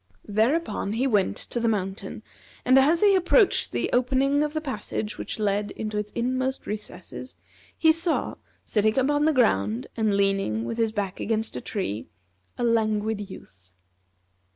Thereupon he went to the mountain, and as he approached the opening of the passage which led into its inmost recesses he saw, sitting upon the ground, and leaning his back against a tree, a Languid Youth.